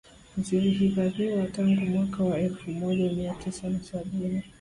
Zilihifadhiwa tangu mwaka wa elfu mojamia tisa na sabini